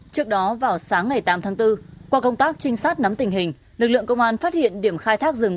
trước đó vào sáng ngày tám tháng bốn qua công tác trinh sát nắm tình hình lực lượng công an phát hiện điểm khai thác rừng